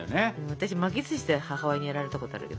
私巻きずしで母親にやられたことあるけどね。